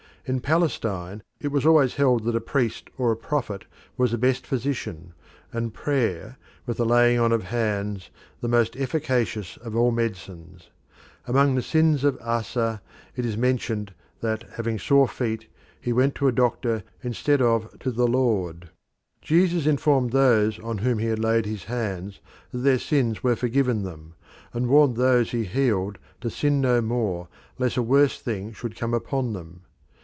In Palestine it was always held that a priest or a prophet was the best physician, and prayer, with the laying on of hands, the most efficacious of all medicines. Among the sins of Asa it is mentioned that, having sore feet, he went to a doctor instead of to the Lord. Jesus informed those on whom he laid his hands that their sins were forgiven them, and warned those he healed to sin no more lest a worse thing should come upon them.